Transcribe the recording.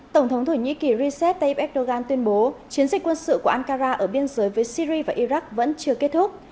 tổng thống thổ nhĩ kỳ recep tayyip erdogan tuyên bố chiến dịch quân sự của ankara ở biên giới với syri và iraq vẫn chưa kết thúc